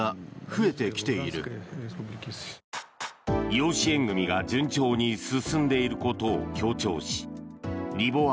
養子縁組が順調に進んでいることを強調しリボワ